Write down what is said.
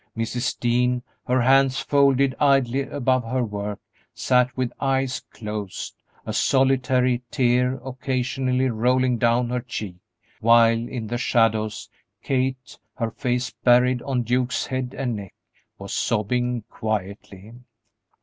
Mrs. Dean, her hands folded idly above her work, sat with eyes closed, a solitary tear occasionally rolling down her cheek, while in the shadows Kate, her face buried on Duke's head and neck, was sobbing quietly.